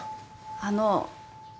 あの。